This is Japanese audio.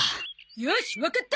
よしわかった！